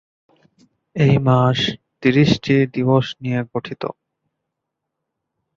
এই মাস ত্রিশটি দিবস নিয়ে গঠিত।